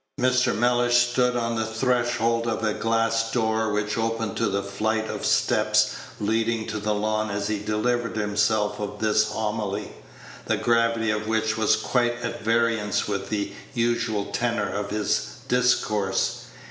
Mr. Mellish stood on the threshold of a glass door which opened to a flight of steps leading to the lawn as he delivered himself of this homily, the gravity of which was quite at variance with the usual tenor of his discourse.